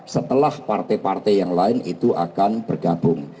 setelah partai partai yang lain itu akan bergabung